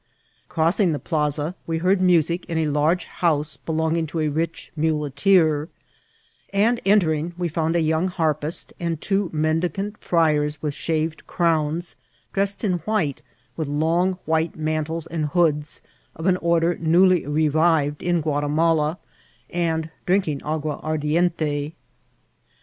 Crossing the plaza, we heard music in a large house belonging to a rich muleteer ; and entering, we found a young harpist, and two mendicant friars with shaved crowns, dressed in white, with long white mantles and hoods, of an order newly revived in Gua* timala, and drinking agua ardiente.